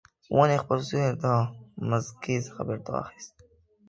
ونې خپل سیوری د مځکې څخه بیرته واخیست